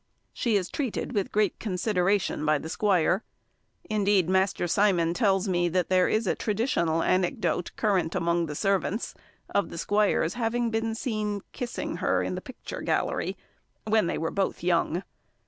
She is treated with great consideration by the squire. Indeed, Master Simon tells me that there is a traditional anecdote current among the servants, of the squire's having been seen kissing her in the picture gallery, when they were both young.